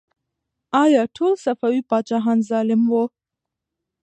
آیا ټول صفوي پاچاهان ظالم وو؟